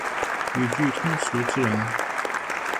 语句通俗自然